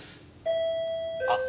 あっ！